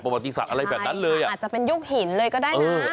ประวัติศาสตร์อะไรแบบนั้นเลยอ่ะอาจจะเป็นยุคหินเลยก็ได้นะ